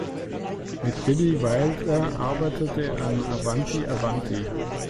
Mit Billy Wilder arbeitete er an "Avanti, Avanti!